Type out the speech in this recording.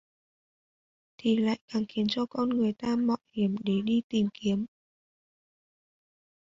Thì lại càng khiến cho con người ta mạo hiểm để đi tìm kiếm